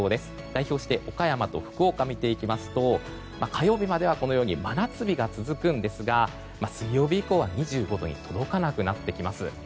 代表して岡山と福岡を見ていきますと火曜日まではこのように真夏日が続くんですが水曜日以降は２５度に届かなくなってきます。